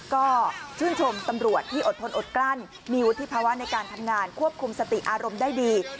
ก็ชื่นชมตำรวจที่อดทนอดกลั้นมีวุฒิภาวะในการทำงานควบคุมสติอารมณ์ได้ดี